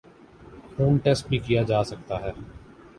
خون ٹیسٹ بھی کیا جاسکتا ہے